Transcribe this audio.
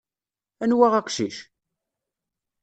Anwa aqcic?